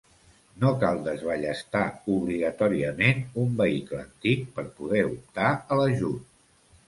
No cal desballestar obligatòriament un vehicle antic per poder optar a l'ajut.